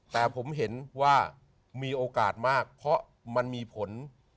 แต่ผมเห็นว่ามีโอกาสมากเพราะมันมีผล